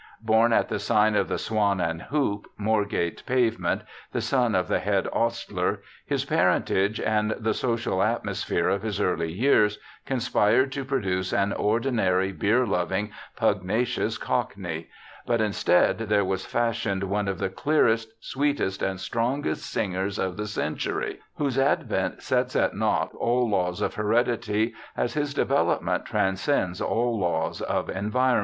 Born at the sign of the ' Swan and Hoop', Moorgate Pavement, the son of the head ostler, his parentage and the social atmosphere of his early years conspired to produce an ordinary beer loving, pugnacious cockney ; but instead there was fashioned one of the clearest, sweetest, and strongest singers of the century, whose advent sets at naught all laws of heredity, as his de velopment transcends all laws of environment.